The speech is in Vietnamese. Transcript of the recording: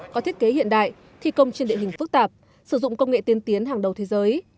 có thiết kế hiện đại thi công trên địa hình phức tạp sử dụng công nghệ tiên tiến hàng đầu thế giới